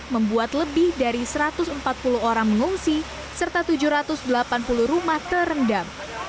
membuat lebih dari satu ratus empat puluh orang mengungsi serta tujuh ratus delapan puluh rumah terendam